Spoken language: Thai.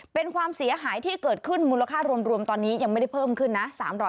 เป็นความเสียหายที่เกิดขึ้นมูลค่ารวมตอนนี้ยังไม่ได้เพิ่มขึ้นนะ